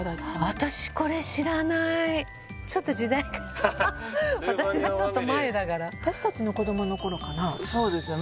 私これ知らないちょっと時代が私はちょっと前だから私達の子どもの頃かなそうですね